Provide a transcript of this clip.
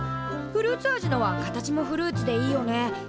フルーツ味のは形もフルーツでいいよね。